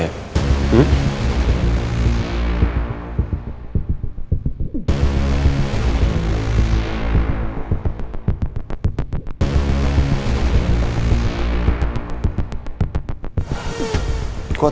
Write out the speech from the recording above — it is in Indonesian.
tidak tidak tidak